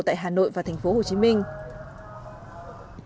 tại hà nội và thành phố hồ chí minh